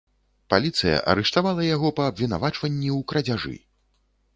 Паліцыя арыштавала яго па абвінавачванні ў крадзяжы.